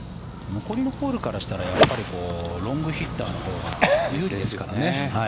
残りのホールからしたらロングヒッターのほうが有利ですからね。